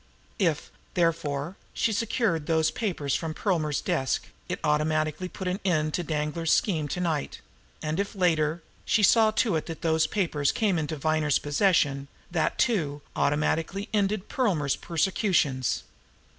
If, therefore, she secured those papers from Perlmer's desk, it automatically put an end to Danglar's scheme to night; and if, later, she saw to it that those papers came into Viner's possession, that, too, automatically ended Perlmer's persecutions.